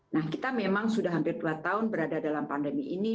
nah kita memang sudah hampir dua tahun berada dalam pandemi ini